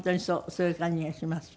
そういう感じがします。